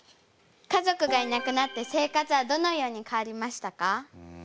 家族がいなくなって生活はどのように変わりましたか？